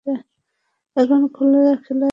এখন খেলা জমে উঠছে।